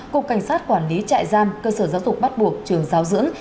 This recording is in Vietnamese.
cục cảnh sát quản lý trại giam cơ sở giáo dục bắt buộc trường giáo dưỡng